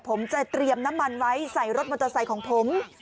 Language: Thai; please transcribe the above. ผมจะเตรียมน้ำมันไว้ใส่รถมันจะใส่ของผม